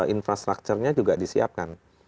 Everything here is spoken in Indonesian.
infrastrukturnya juga disiapkan